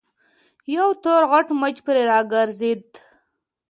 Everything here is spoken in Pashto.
يو تور غټ مچ پرې راګرځېد.